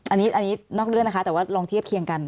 อันนี้นอกเลือนนะคะลองเทียบเคียงกัน